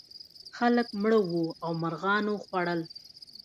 خلک مړه وو او مرغانو خوړل.